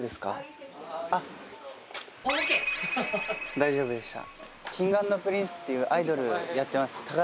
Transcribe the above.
大丈夫でした。